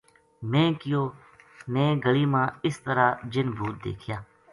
میں کہیو میں گلی ما اس طرح جِن بھُوت دیکھیا